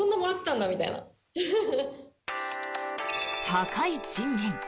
高い賃金